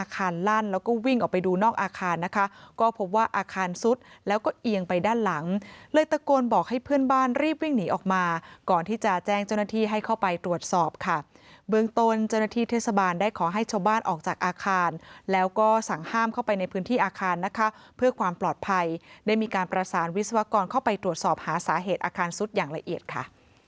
ก็เพิ่งหนีออกมาก่อนที่จะแจ้งเจ้าหน้าที่ให้เข้าไปตรวจสอบค่ะเบื้องตนเจ้าหน้าที่เทศบาลได้ขอให้ชาวบ้านออกจากอาคารแล้วก็สั่งห้ามเข้าไปในพื้นที่อาคารนะคะเพื่อความปลอดภัยได้มีการประสานวิศวกรเข้าไปตรวจสอบหาสาเหตุอาคารสุดอย่างละเอียดค่ะ